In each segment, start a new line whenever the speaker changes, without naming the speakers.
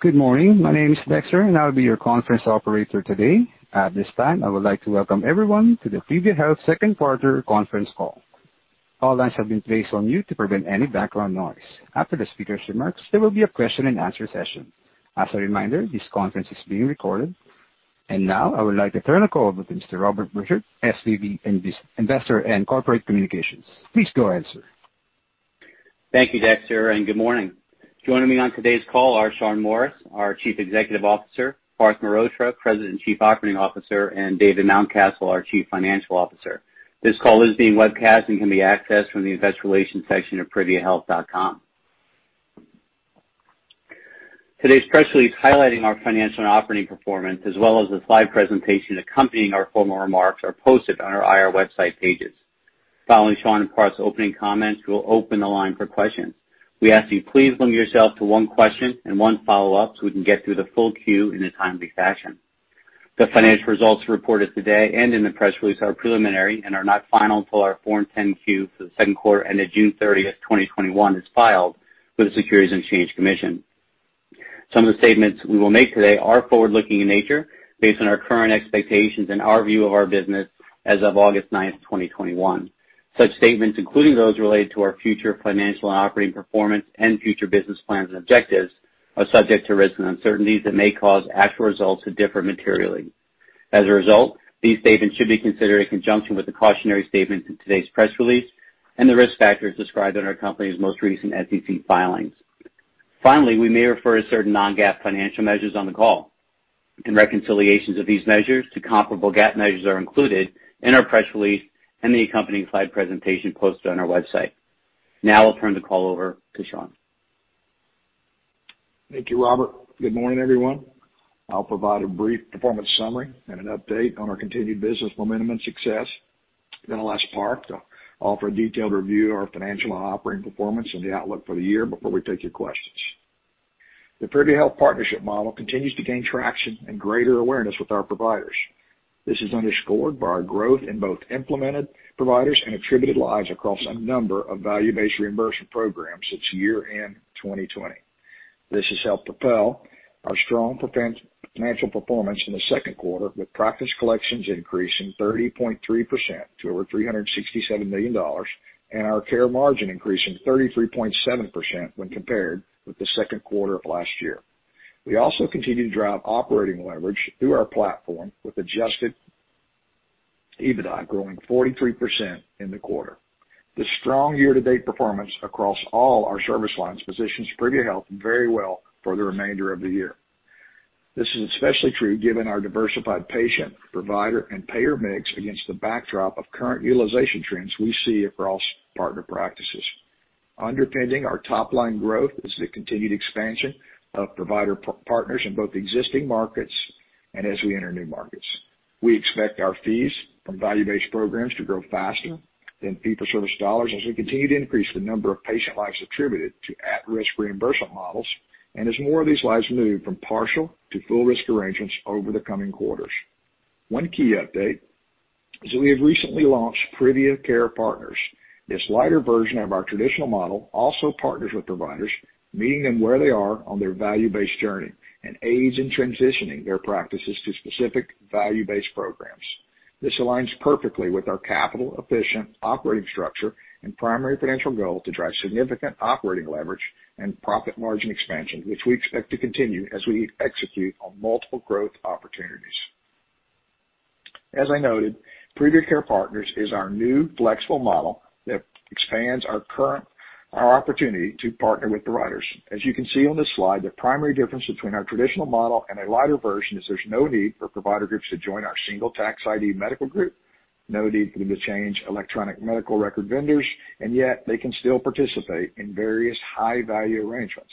Good morning. My name is Dexter, and I will be your conference operator today. At this time, I would like to welcome everyone to the Privia Health second quarter conference call. All lines have been placed on mute to prevent any background noise. After the speaker's remarks, there will be a question-and-answer session. As a reminder, this conference is being recorded. Now I would like to turn the call over to Mr. Robert Borchert, SVP, Investor and Corporate Communications. Please go ahead, sir.
Thank you, Dexter, and good morning. Joining me on today's call are Shawn Morris, our Chief Executive Officer, Parth Mehrotra, President and Chief Operating Officer, and David Mountcastle, our Chief Financial Officer. This call is being webcast and can be accessed from the investor relations section of priviahealth.com. Today's press release highlighting our financial and operating performance as well as the slide presentation accompanying our formal remarks are posted on our IR website pages. Following Shawn and Parth's opening comments, we will open the line for questions. We ask you please limit yourself to one question and one follow-up so we can get through the full queue in a timely fashion. The financial results reported today and in the press release are preliminary and are not final until our Form 10-Q for the second quarter ended June 30th, 2021, is filed with the Securities and Exchange Commission. Some of the statements we will make today are forward-looking in nature based on our current expectations and our view of our business as of August 9th, 2021. Such statements, including those related to our future financial and operating performance and future business plans and objectives, are subject to risks and uncertainties that may cause actual results to differ materially. As a result, these statements should be considered in conjunction with the cautionary statements in today's press release and the risk factors described in our company's most recent SEC filings. Finally, we may refer to certain non-GAAP financial measures on the call. Reconciliations of these measures to comparable GAAP measures are included in our press release and the accompanying slide presentation posted on our website. Now I'll turn the call over to Shawn.
Thank you, Robert. Good morning, everyone. I'll provide a brief performance summary and an update on our continued business momentum and success. I'll ask Parth to offer a detailed review of our financial and operating performance and the outlook for the year before we take your questions. The Privia Health partnership model continues to gain traction and greater awareness with our providers. This is underscored by our growth in both implemented providers and attributed lives across a number of value-based reimbursement programs since year-end 2020. This has helped propel our strong financial performance in the second quarter, with Practice Collections increasing 30.3% to over $367 million, and our Care Margin increasing 33.7% when compared with the second quarter of last year. We also continue to drive operating leverage through our platform with adjusted EBITDA growing 43% in the quarter. The strong year-to-date performance across all our service lines positions Privia Health very well for the remainder of the year. This is especially true given our diversified patient, provider, and payer mix against the backdrop of current utilization trends we see across partner practices. Underpinning our top-line growth is the continued expansion of provider partners in both existing markets and as we enter new markets. We expect our fees from value-based programs to grow faster than fee-for-service dollars as we continue to increase the number of patient lives attributed to at-risk reimbursement models and as more of these lives move from partial to full risk arrangements over the coming quarters. One key update is that we have recently launched Privia Care Partners. This lighter version of our traditional model also partners with providers, meeting them where they are on their value-based journey, and aids in transitioning their practices to specific value-based programs. This aligns perfectly with our capital-efficient operating structure and primary financial goal to drive significant operating leverage and profit margin expansion, which we expect to continue as we execute on multiple growth opportunities. As I noted, Privia Care Partners is our new flexible model that expands our opportunity to partner with providers. As you can see on this slide, the primary difference between our traditional model and a lighter version is there's no need for provider groups to join our single tax ID medical group, no need for them to change electronic medical record vendors, and yet they can still participate in various high-value arrangements.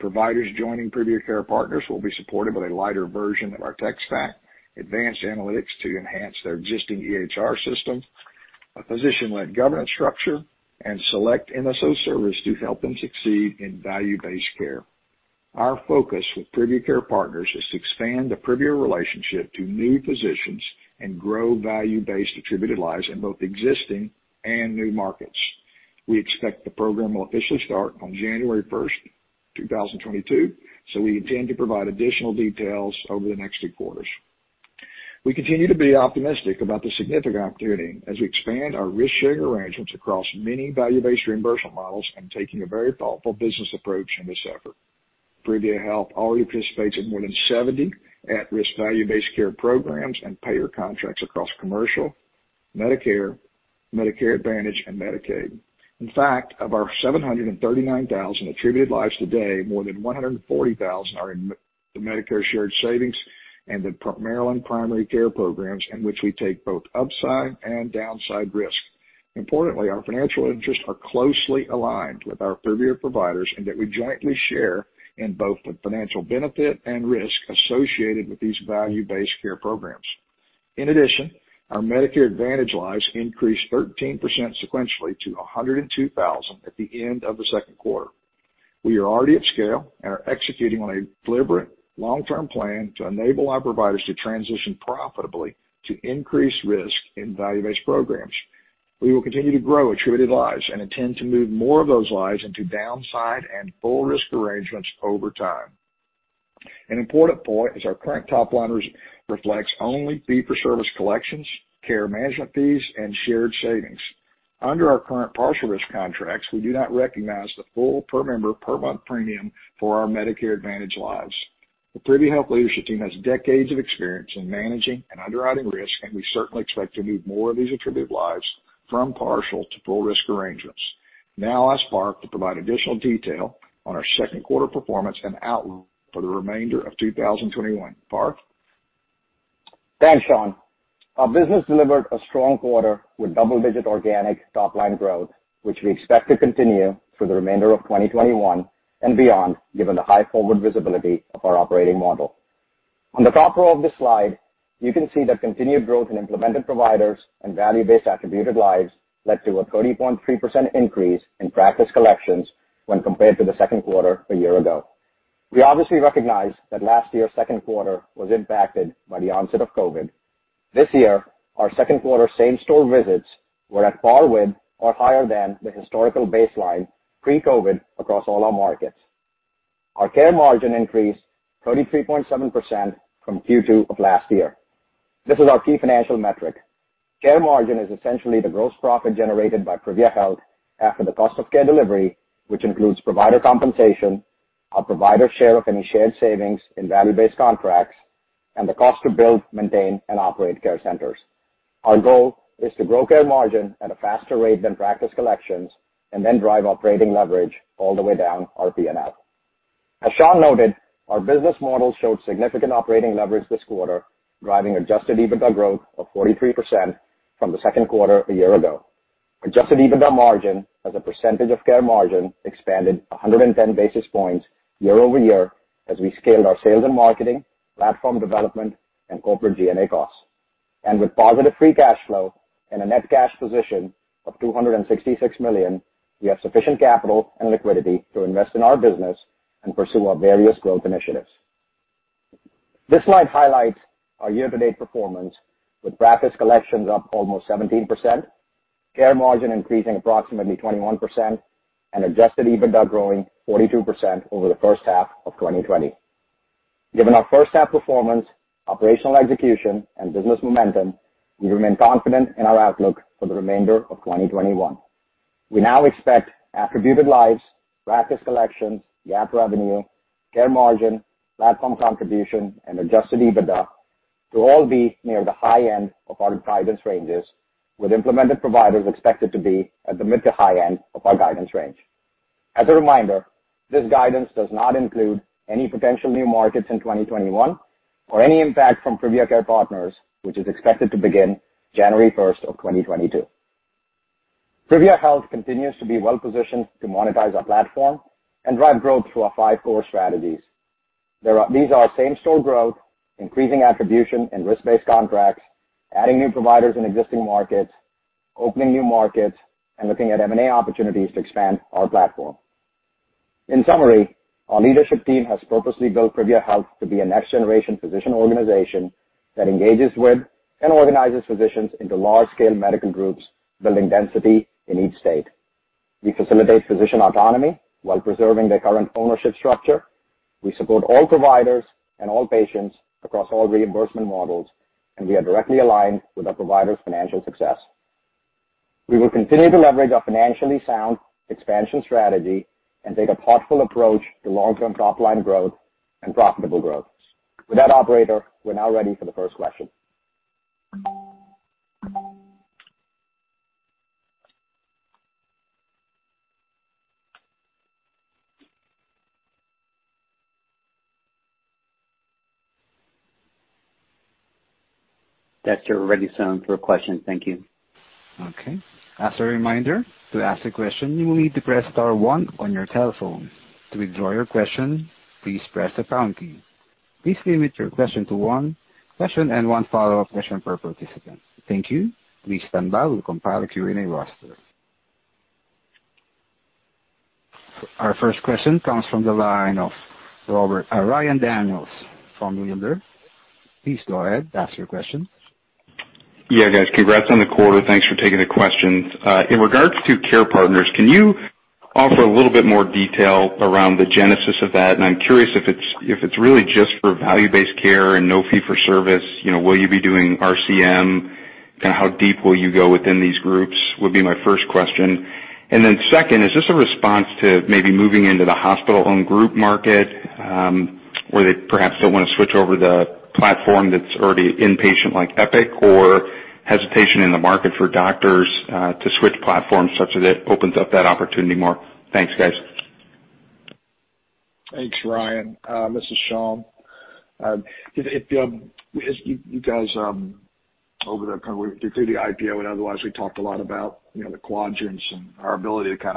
Providers joining Privia Care Partners will be supported with a lighter version of our tech stack, advanced analytics to enhance their existing EHR system, a physician-led governance structure, and select MSO service to help them succeed in value-based care. Our focus with Privia Care Partners is to expand the Privia relationship to new physicians and grow value-based attributed lives in both existing and new markets. We expect the program will officially start on January 1st, 2022, so we intend to provide additional details over the next few quarters. We continue to be optimistic about the significant opportunity as we expand our risk-sharing arrangements across many value-based reimbursement models and taking a very thoughtful business approach in this effort. Privia Health already participates in more than 70 at-risk value-based care programs and payer contracts across commercial, Medicare Advantage, and Medicaid. In fact, of our 739,000 attributed lives today, more than 140,000 are in the Medicare Shared Savings and the Maryland Primary Care programs, in which we take both upside and downside risk. Importantly, our financial interests are closely aligned with our Privia providers in that we jointly share in both the financial benefit and risk associated with these value-based care programs. In addition, our Medicare Advantage lives increased 13% sequentially to 102,000 at the end of the second quarter. We are already at scale and are executing on a deliberate long-term plan to enable our providers to transition profitably to increased risk in value-based programs. We will continue to grow attributed lives and intend to move more of those lives into downside and full risk arrangements over time. An important point is our current top line reflects only fee-for-service collections, care management fees, and shared savings. Under our current partial risk contracts, we do not recognize the full per-member per-month premium for our Medicare Advantage lives. The Privia Health leadership team has decades of experience in managing and underwriting risk, and we certainly expect to move more of these attributed lives from partial to full risk arrangements. Now I'll ask Parth to provide additional detail on our second quarter performance and outlook for the remainder of 2021. Parth?
Thanks, Shawn. Our business delivered a strong quarter with double-digit organic top-line growth, which we expect to continue through the remainder of 2021 and beyond, given the high forward visibility of our operating model. On the top row of this slide, you can see that continued growth in implemented providers and value-based attributed lives led to a 30.3% increase in Practice Collections when compared to the second quarter a year ago. We obviously recognize that last year's second quarter was impacted by the onset of COVID. This year, our second quarter same-store visits were at par with or higher than the historical baseline pre-COVID across all our markets. Our Care Margin increased 33.7% from Q2 of last year. This is our key financial metric. Care Margin is essentially the gross profit generated by Privia Health after the cost of care delivery, which includes provider compensation, our provider share of any shared savings in value-based contracts, and the cost to build, maintain, and operate care centers. Our goal is to grow Care Margin at a faster rate than Practice Collections and then drive operating leverage all the way down our P&L. As Shawn Morris noted, our business model showed significant operating leverage this quarter, driving adjusted EBITDA growth of 43% from the second quarter a year ago. Adjusted EBITDA margin as a percentage of Care Margin expanded 110 basis points year-over-year as we scaled our sales and marketing, platform development, and corporate G&A costs. With positive free cash flow and a net cash position of $266 million, we have sufficient capital and liquidity to invest in our business and pursue our various growth initiatives. This slide highlights our year-to-date performance with Practice Collections up almost 17%, Care Margin increasing approximately 21%, and adjusted EBITDA growing 42% over the first half of 2020. Given our first half performance, operational execution, and business momentum, we remain confident in our outlook for the remainder of 2021. We now expect attributed lives, Practice Collections, GAAP revenue, Care Margin, Platform Contribution, and adjusted EBITDA to all be near the high end of our guidance ranges, with implemented providers expected to be at the mid to high end of our guidance range. As a reminder, this guidance does not include any potential new markets in 2021 or any impact from Privia Care Partners, which is expected to begin January 1st of 2022. Privia Health continues to be well-positioned to monetize our platform and drive growth through our five core strategies. These are same-store growth, increasing attribution and risk-based contracts, adding new providers in existing markets, opening new markets, and looking at M&A opportunities to expand our platform. In summary, our leadership team has purposely built Privia Health to be a next-generation physician organization that engages with and organizes physicians into large-scale medical groups, building density in each state. We facilitate physician autonomy while preserving their current ownership structure. We support all providers and all patients across all reimbursement models, and we are directly aligned with our providers' financial success. We will continue to leverage our financially sound expansion strategy and take a thoughtful approach to long-term top-line growth and profitable growth. With that, operator, we are now ready for the first question.
Dexter, we're ready, Shawn, for questions. Thank you.
Okay. As a reminder, to ask a question, you will need to press star one on your telephone. To withdraw your question, please press the pound key. Please limit your question to one question and one follow-up question per participant. Thank you. Please stand by. We'll compile a Q&A roster. Our first question comes from the line of Ryan Daniels from William Blair. Please go ahead. Ask your question.
Yeah, guys. Congrats on the quarter. Thanks for taking the questions. In regards to Privia Care Partners, can you offer a little bit more detail around the genesis of that? I'm curious if it's really just for value-based care and no fee for service. Will you be doing RCM? How deep will you go within these groups, would be my first question. Second, is this a response to maybe moving into the hospital-owned group market, where they perhaps don't want to switch over the platform that's already inpatient like Epic, or hesitation in the market for doctors to switch platforms such that it opens up that opportunity more? Thanks, guys.
Thanks, Ryan. This is Shawn. You guys, through the IPO and otherwise, we talked a lot about the quadrants and our ability to kind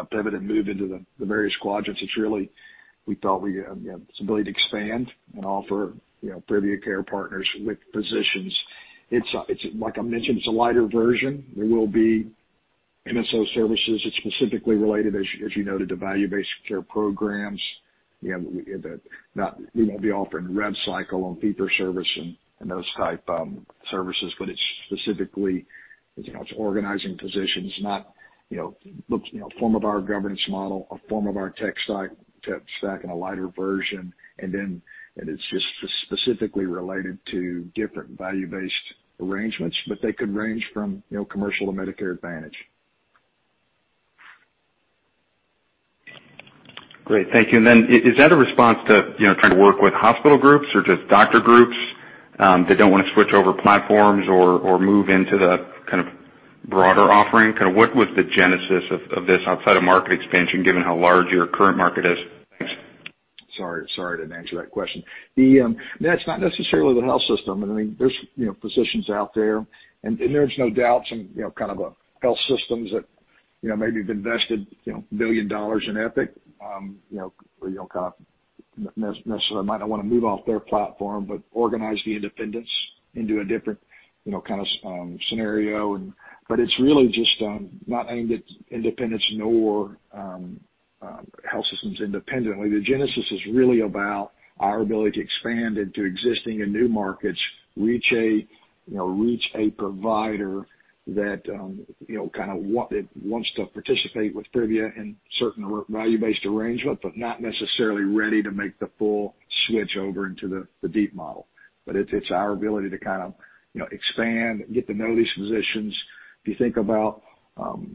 of pivot and move into the various quadrants. It's really, we felt, this ability to expand and offer Privia Care Partners with physicians. Like I mentioned, it's a lighter version. There will be MSO services. It's specifically related, as you noted, to value-based care programs. We won't be offering rev cycle and fee-for-service and those type services. It's specifically organizing physicians, not form of our governance model, a form of our tech stack in a lighter version. It's just specifically related to different value-based arrangements. They could range from commercial to Medicare Advantage.
Great, thank you. Is that a response to trying to work with hospital groups or just doctor groups that don't want to switch over platforms or move into the kind of broader offering? What was the genesis of this outside of market expansion, given how large your current market is? Thanks.
Sorry, I didn't answer that question. That's not necessarily the health system. There's physicians out there, and there's no doubt some kind of health systems that maybe have invested $1 billion in Epic, necessarily might not want to move off their platform, but organize the independents into a different kind of scenario. It's really just not aimed at independents nor health systems independently. The genesis is really about our ability to expand into existing and new markets, reach a provider that wants to participate with Privia in certain value-based arrangement, but not necessarily ready to make the full switch over into the deep model. It's our ability to kind of expand, get to know these physicians. If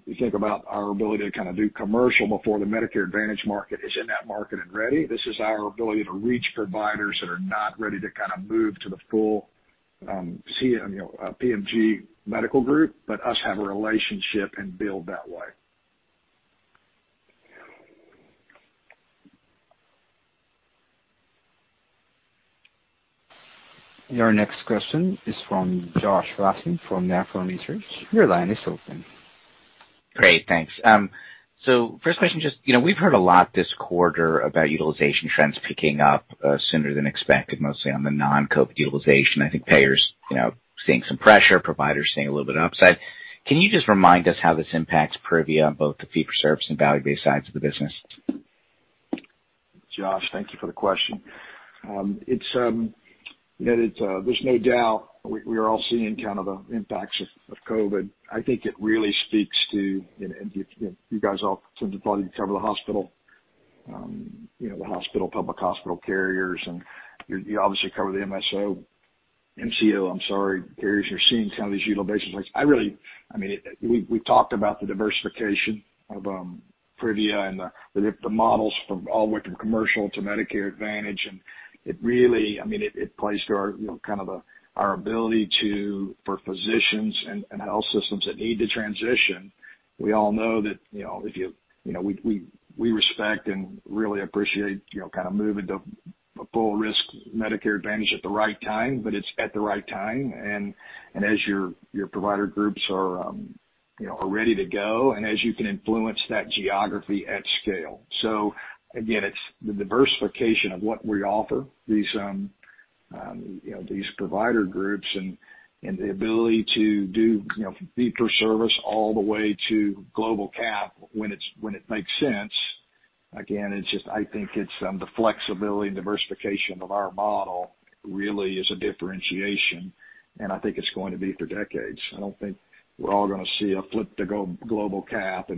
you think about our ability to kind of do commercial before the Medicare Advantage market is in that market and ready, this is our ability to reach providers that are not ready to kind of move to the full PMG Medical Group, but us have a relationship and build that way.
Your next question is from Josh Raskin from Nephron Research. Your line is open.
Great, thanks. First question, just we've heard a lot this quarter about utilization trends picking up sooner than expected, mostly on the non-COVID utilization. I think payers seeing some pressure, providers seeing a little bit of upside. Can you just remind us how this impacts Privia, both the fee-for-service and value-based sides of the business?
Josh, thank you for the question. There's no doubt we are all seeing kind of the impacts of COVID. I think it really speaks to. You guys all probably cover the hospital, public hospital carriers, and you obviously cover the MSO, MCO, I'm sorry, carriers. You're seeing some of these utilization rates. We talked about the diversification of Privia and the models all the way from commercial to Medicare Advantage, and it plays to our ability for physicians and health systems that need to transition. We all know that we respect and really appreciate moving to a full-risk Medicare Advantage at the right time, but it's at the right time, and as your provider groups are ready to go, and as you can influence that geography at scale Again, it's the diversification of what we offer these provider groups and the ability to do fee-for-service all the way to global cap when it makes sense. Again, I think it's the flexibility and diversification of our model really is a differentiation, and I think it's going to be for decades. I don't think we're all going to see a flip to global cap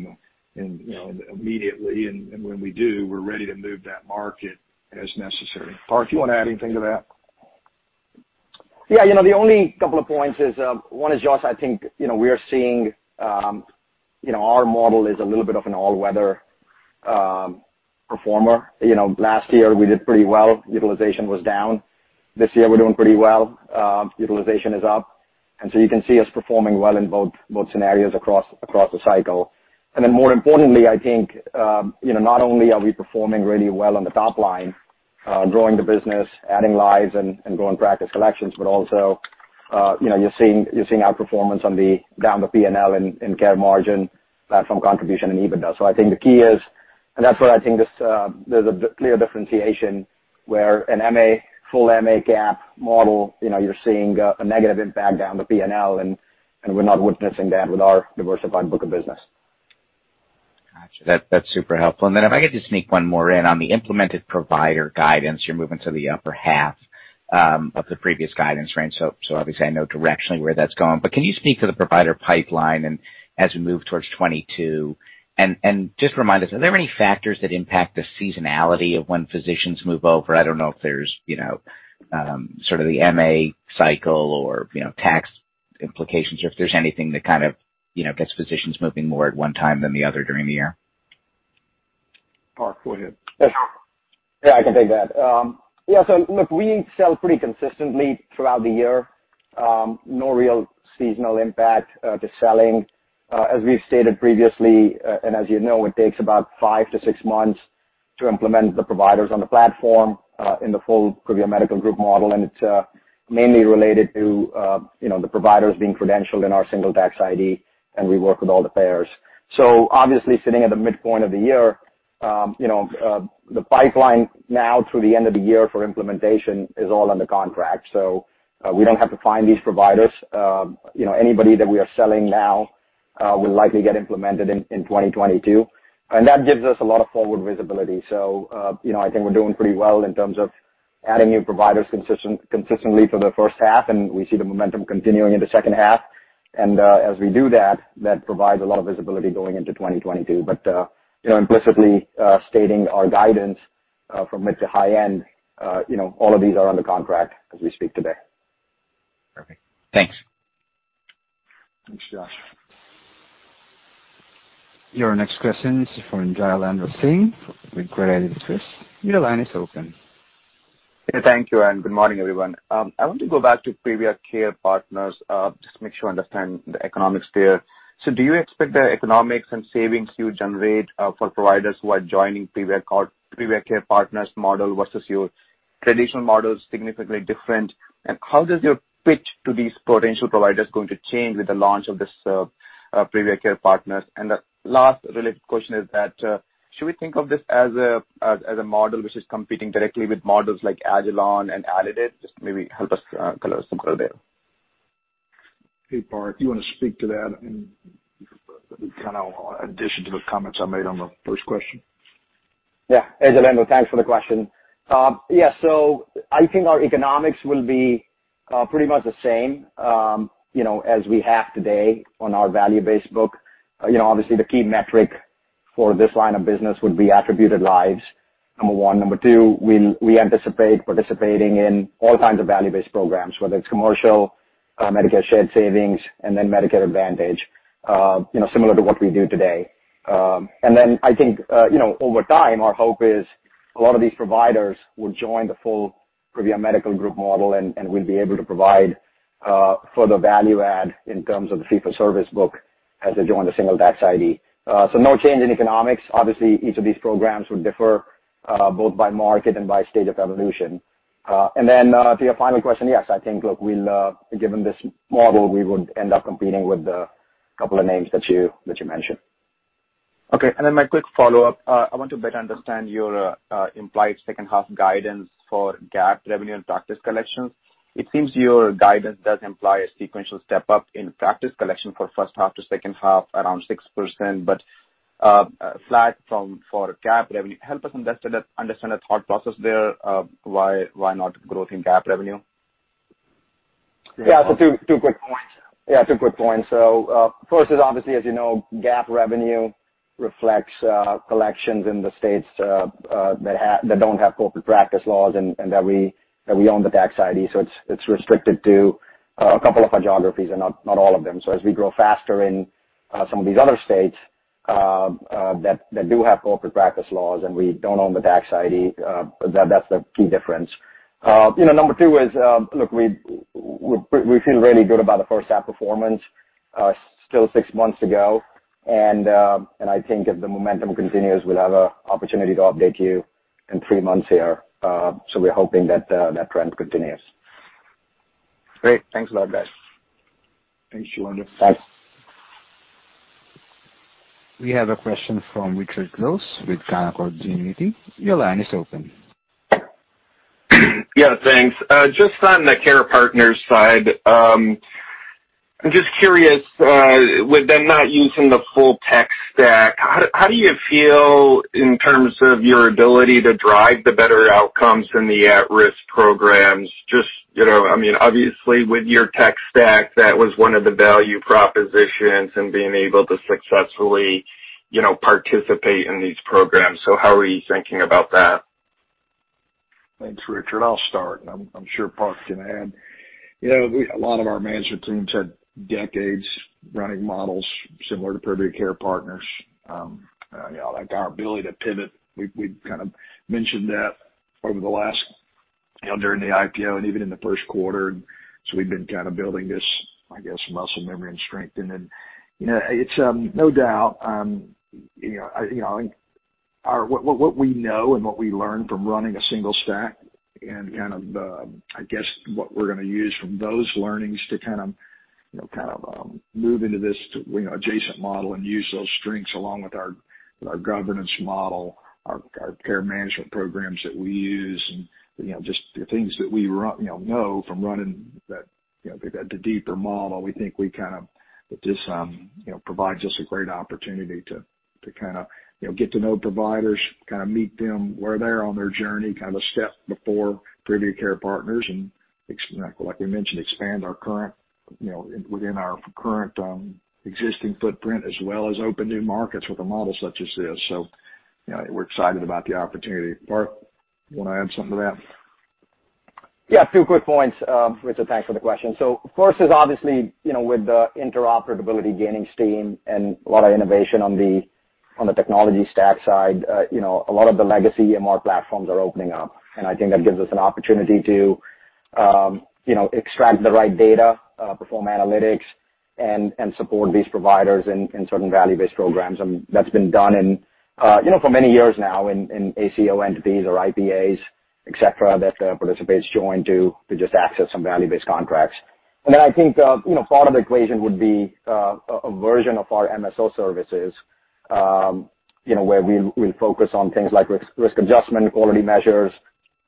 immediately, and when we do, we're ready to move that market as necessary. Parth, do you want to add anything to that?
The only couple of points is, one is, Josh Raskin, I think we are seeing our model is a little bit of an all-weather performer. Last year, we did pretty well. Utilization was down. This year, we're doing pretty well. Utilization is up. You can see us performing well in both scenarios across the cycle. More importantly, I think, not only are we performing really well on the top line, growing the business, adding lives, and growing Practice Collections, but also, you're seeing outperformance on the down the P&L in Care Margin, Platform Contribution, and adjusted EBITDA. That's where I think there's a clear differentiation where a full MA cap model, you're seeing a negative impact down to P&L, and we're not witnessing that with our diversified book of business.
Got you. That's super helpful. If I could just sneak one more in on the implemented provider guidance, you're moving to the upper half of the previous guidance range. Obviously, I know directionally where that's going. Can you speak to the provider pipeline and as we move towards 2022, and just remind us, are there any factors that impact the seasonality of when physicians move over? I don't know if there's sort of the MA cycle or tax implications, or if there's anything that kind of gets physicians moving more at one time than the other during the year.
Parth, go ahead.
Yeah, I can take that. Yeah. Look, we sell pretty consistently throughout the year. No real seasonal impact to selling. As we've stated previously, and as you know, it takes about five to six months to implement the providers on the platform in the full Privia Medical Group model, and it's mainly related to the providers being credentialed in our single tax ID, and we work with all the payers. Obviously, sitting at the midpoint of the year. The pipeline now through the end of the year for implementation is all under contract. We don't have to find these providers. Anybody that we are selling now will likely get implemented in 2022, and that gives us a lot of forward visibility. I think we're doing pretty well in terms of adding new providers consistently for the first half, and we see the momentum continuing into second half. As we do that provides a lot of visibility going into 2022. Implicitly, stating our guidance from mid to high end, all of these are under contract as we speak today.
Perfect. Thanks.
Thanks, Josh.
Your next question is from Jailendra Singh with Credit Suisse. Your line is open.
Yeah. Thank you, and good morning, everyone. I want to go back to Privia Care Partners, just to make sure I understand the economics there. Do you expect the economics and savings you generate, for providers who are joining Privia Care Partners model versus your traditional model, is significantly different? How does your pitch to these potential providers going to change with the launch of this Privia Care Partners? The last related question is that, should we think of this as a model which is competing directly with models like Agilon and Aledade? Just maybe help us, color us a little bit.
Hey, Parth. You want to speak to that and kind of addition to the comments I made on the first question?
Hey, Jailendra. Thanks for the question. I think our economics will be pretty much the same as we have today on our value-based book. Obviously, the key metric for this line of business would be attributed lives, number one. Number two, we anticipate participating in all kinds of value-based programs, whether it's commercial, Medicare Shared Savings, Medicare Advantage, similar to what we do today. I think, over time, our hope is a lot of these providers will join the full Privia Medical Group model, and we'll be able to provide further value add in terms of the fee-for-service book as they join the single tax ID. No change in economics. Obviously, each of these programs would differ, both by market and by stage of evolution. To your final question, yes, I think, look, given this model, we would end up competing with the couple of names that you mentioned.
My quick follow-up. I want to better understand your implied second half guidance for GAAP revenue and Practice Collections. It seems your guidance does imply a sequential step-up in Practice Collections for first half to second half around 6%, but flat for GAAP revenue. Help us understand the thought process there, why not growth in GAAP revenue?
Yeah. Two quick points. First is obviously, as you know, GAAP revenue reflects collections in the states that don't have corporate practice laws and that we own the tax ID, so it's restricted to a couple of our geographies and not all of them. As we grow faster in some of these other states that do have corporate practice laws and we don't own the tax ID, that's the key difference. Number two is, look, we feel really good about the first half performance. Still six months to go. I think if the momentum continues, we'll have an opportunity to update you in three months here. We're hoping that trend continues.
Great. Thanks a lot, guys.
Thanks. You wonderful.
Bye.
We have a question from Richard Close with Canaccord Genuity. Your line is open.
Yeah, thanks. Just on the Care Partners side, I'm just curious, with them not using the full tech stack, how do you feel in terms of your ability to drive the better outcomes in the at-risk programs? Just, obviously, with your tech stack, that was one of the value propositions and being able to successfully participate in these programs. How are you thinking about that?
Thanks, Richard. I'll start. I'm sure Parth can add. A lot of our management team said decades running models similar to Privia Care Partners. Like our ability to pivot, we kind of mentioned that over the last, during the IPO and even in the first quarter. We've been kind of building this, I guess, muscle memory and strength. It's no doubt, I think what we know and what we learn from running a single stack and kind of, I guess what we're going to use from those learnings to kind of move into this adjacent model and use those strengths along with our governance model. Our care management programs that we use and just the things that we know from running the deeper model. We think this provides us a great opportunity to get to know providers, meet them where they're on their journey, kind of a step before Privia Care Partners and, like we mentioned, expand within our current existing footprint, as well as open new markets with a model such as this. We're excited about the opportunity. Parth, you want to add something to that?
Yeah, two quick points. Richard, thanks for the question. First is obviously, with the interoperability gaining steam and a lot of innovation on the technology stack side, a lot of the legacy EMR platforms are opening up, and I think that gives us an opportunity to extract the right data, perform analytics, and support these providers in certain value-based programs. That's been done for many years now in ACO entities or IPAs, et cetera, that the participants join to just access some value-based contracts. I think part of the equation would be a version of our MSO services, where we'll focus on things like risk adjustment, quality measures,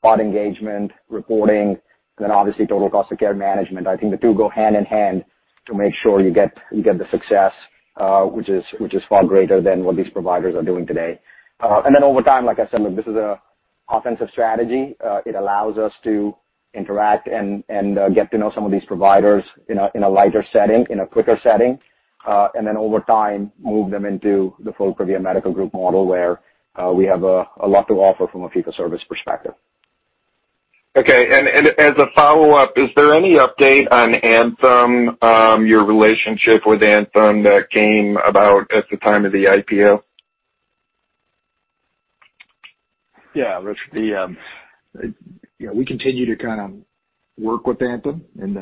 patient engagement, reporting, obviously total cost of care management. I think the two go hand in hand to make sure you get the success, which is far greater than what these providers are doing today. Over time, like I said, this is an offensive strategy. It allows us to interact and get to know some of these providers in a lighter setting, in a quicker setting. Over time, move them into the full Privia Medical Group model, where we have a lot to offer from a fee-for-service perspective.
Okay. As a follow-up, is there any update on Anthem, your relationship with Anthem that came about at the time of the IPO?
Yeah, Rich. We continue to work with Anthem in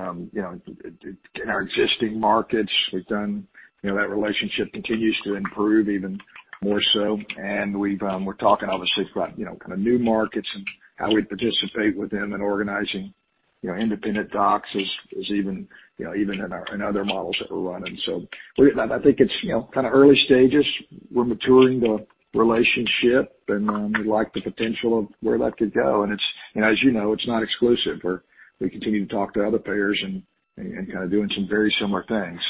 our existing markets. That relationship continues to improve even more so. We're talking, obviously, about new markets and how we participate with them in organizing independent docs even in other models that we're running. I think it's early stages. We're maturing the relationship, and we like the potential of where that could go. As you know, it's not exclusive. We continue to talk to other payers and doing some very similar things.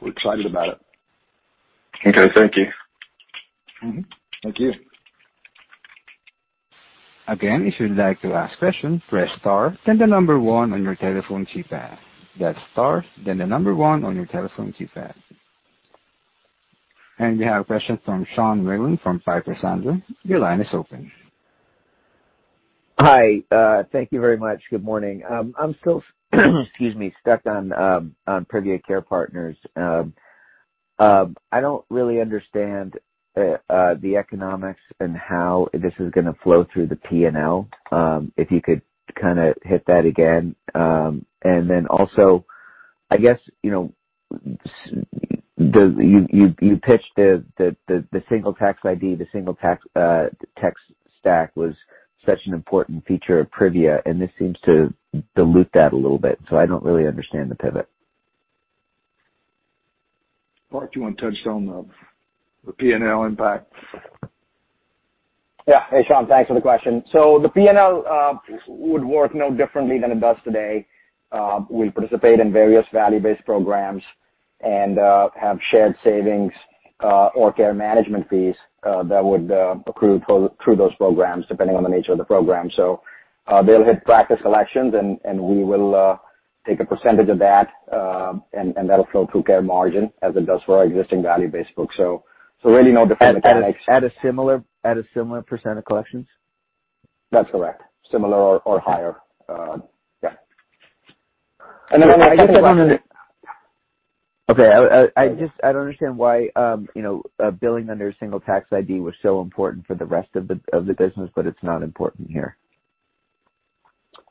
We're excited about it.
Okay. Thank you.
Thank you.
We have a question from Sean Wieland from Piper Sandler. Your line is open.
Hi. Thank you very much. Good morning. I'm still excuse me, stuck on Privia Care Partners. I don't really understand the economics and how this is going to flow through the P&L. If you could hit that again. Then also, I guess, you pitched the single tax ID, the single tech stack was such an important feature of Privia, and this seems to dilute that a little bit. I don't really understand the pivot.
Parth, do you want to touch on the P&L impact?
Yeah. Hey, Sean. Thanks for the question. The P&L would work no differently than it does today. We participate in various value-based programs and have shared savings or care management fees that would accrue through those programs, depending on the nature of the program. They'll hit Practice Collections, and we will take a percentage of that, and that'll flow through Care Margin as it does for our existing value-based book. Really no different mechanics.
At a similar percent of collections?
That's correct. Similar or higher. Yeah.
Okay. I don't understand why billing under a single tax ID was so important for the rest of the business, but it's not important here.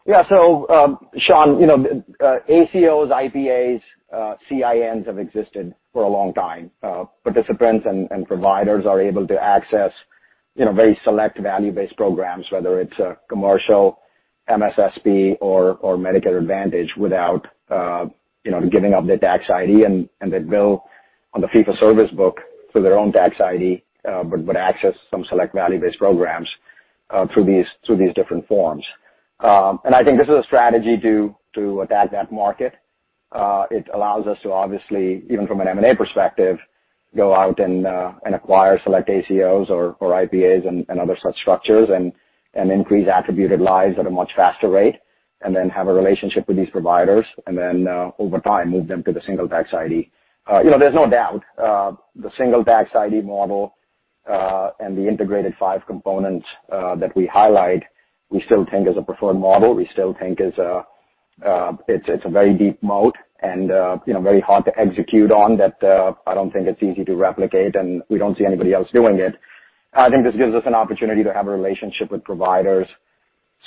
Sean, ACOs, IPAs, CINs have existed for a long time. Participants and providers are able to access very select value-based programs, whether it's a commercial MSSP or Medicare Advantage without giving up their tax ID and they bill on the fee-for-service book for their own tax ID, but access some select value-based programs through these different forms. I think this is a strategy to attack that market. It allows us to obviously, even from an M&A perspective, go out and acquire select ACOs or IPAs and other such structures and increase attributed lives at a much faster rate, and then have a relationship with these providers. Then over time, move them to the single tax ID. There's no doubt the single tax ID model, and the integrated five components that we highlight, we still think is a preferred model. We still think it's a very deep moat and very hard to execute on that I don't think it's easy to replicate, and we don't see anybody else doing it. I think this gives us an opportunity to have a relationship with providers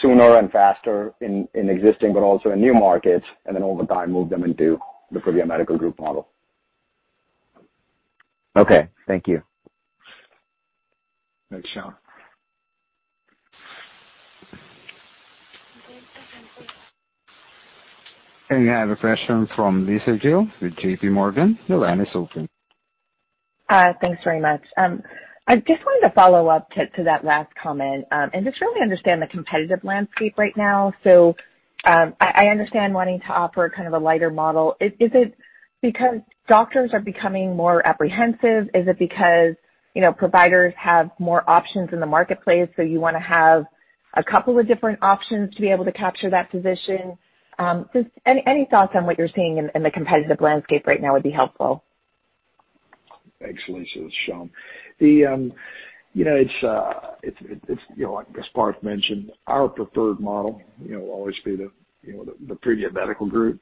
sooner and faster in existing, but also in new markets, and then over time, move them into the Privia Medical Group model.
Okay. Thank you.
Thanks, Sean.
We have a question from Lisa Gill with JPMorgan. Your line is open.
Thanks very much. I just wanted to follow up to that last comment, and just really understand the competitive landscape right now. I understand wanting to offer a lighter model. Is it because doctors are becoming more apprehensive? Is it because providers have more options in the marketplace, so you want to have a couple of different options to be able to capture that physician? Any thoughts on what you're seeing in the competitive landscape right now would be helpful.
Thanks, Lisa. It's Shawn. As Parth mentioned, our preferred model will always be the Privia Medical Group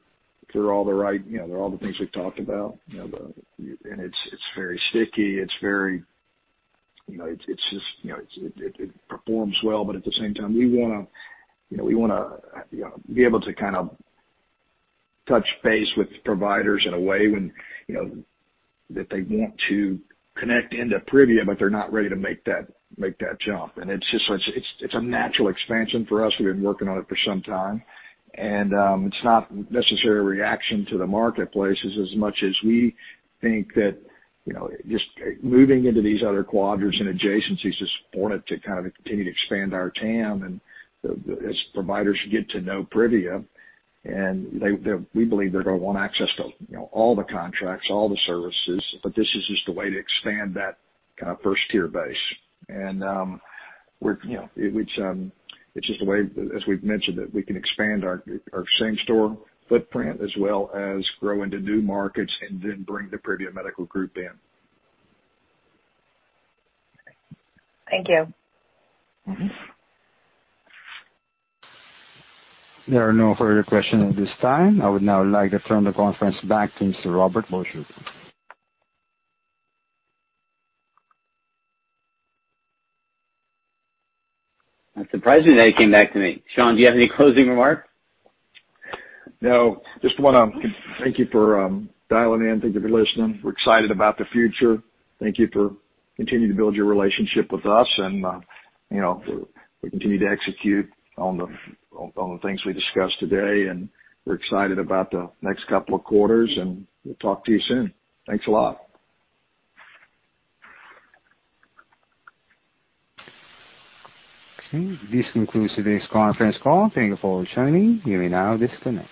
for all the things we've talked about. It's very sticky. It performs well, but at the same time, we want to be able to touch base with providers in a way when that they want to connect into Privia, but they're not ready to make that jump. It's a natural expansion for us. We've been working on it for some time. It's not necessarily a reaction to the marketplace as much as we think that just moving into these other quadrants and adjacencies is important to continue to expand our TAM. As providers get to know Privia, we believe they're going to want access to all the contracts, all the services, but this is just a way to expand that first-tier base. It's just a way, as we've mentioned, that we can expand our same store footprint as well as grow into new markets and then bring the Privia Medical Group in.
Thank you.
There are no further questions at this time. I would now like to turn the conference back to Mr. Robert Borchert.
I'm surprised that it came back to me. Shawn, do you have any closing remarks?
No. Just want to thank you for dialing in. Thank you for listening. We're excited about the future. Thank you for continuing to build your relationship with us. We continue to execute on the things we discussed today. We're excited about the next two quarters. We'll talk to you soon. Thanks a lot.
Okay, this concludes today's conference call. Thank you for joining. You may now disconnect.